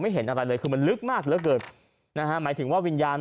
เห็นอะไรเลยคือมันลึกมากเหลือเกินนะฮะหมายถึงว่าวิญญาณ